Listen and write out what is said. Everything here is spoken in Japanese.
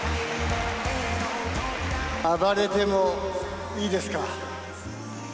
暴れてもいいですか。